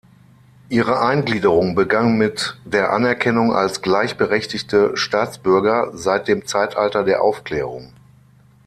Ihre Eingliederung begann mit der Anerkennung als gleichberechtigte Staatsbürger seit dem Zeitalter der Aufklärung.